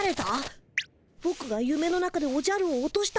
ぼくがゆめの中でおじゃるを落としたの。